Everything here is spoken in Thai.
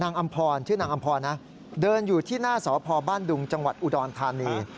อำพรชื่อนางอำพรนะเดินอยู่ที่หน้าสพบ้านดุงจังหวัดอุดรธานี